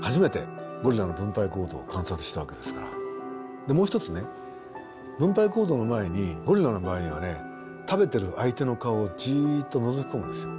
でもう一つね分配行動の前にゴリラの場合には食べてる相手の顔をじっとのぞき込むんですよ。